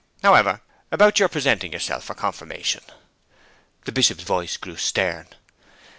However, about your presenting yourself for confirmation.' (The Bishop's voice grew stern.)